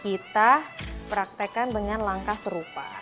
kita praktekkan dengan langkah serupa